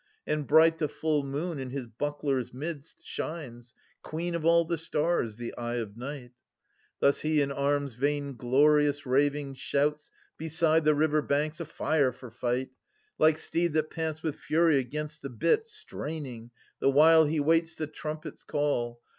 And bright the full moon in his buckler's midst Shines, queen of all the stars, the eye of night. 390 Thus he in arms vainglorious raving, shouts Beside the river banks, afire for fight. Like steed that pants with fury against the bit, Straining, the while he waits the trumpet's call.